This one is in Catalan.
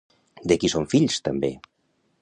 De qui són fills també?